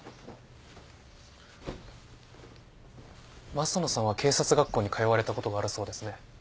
益野さんは警察学校に通われたことがあるそうですね。